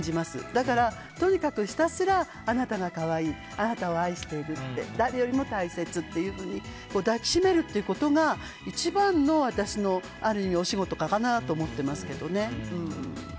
だから、とにかくひたすらあなたが可愛いあなたを愛しているって誰よりも大切というふうに抱き締めるっていうことが一番の私のある意味お仕事かなと思っていますけどね。